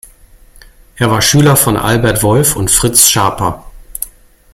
Er war Schüler von Albert Wolff und Fritz Schaper.